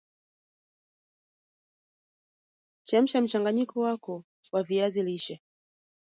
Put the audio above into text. chemsha mchanganyiko wako wa viazi lishe